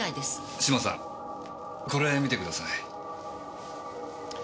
島さんこれ見てください。